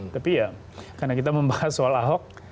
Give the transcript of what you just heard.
tapi ya karena kita membahas soal ahok